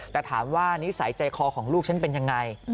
แต่ถามว่านิสัยใจคอของลูกฉันเป็นยังไง